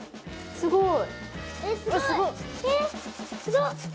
すごい！